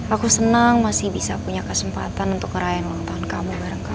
aku seneng masih bisa punya kesempatan untuk ngerayain ulang tahun kamu bareng kamu